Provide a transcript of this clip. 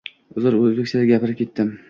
Uzr, oʻzbekchada gapirib ketdim.